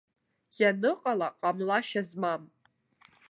Ианыҟала ҟамлашьа змам.